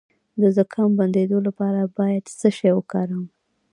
د زکام د بندیدو لپاره باید څه شی وکاروم؟